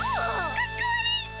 かっこ悪いっピ。